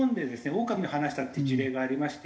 オオカミを放したっていう事例がありまして。